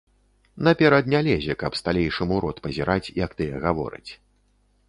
Наперад не лезе, каб сталейшым у рот пазіраць, як тыя гавораць.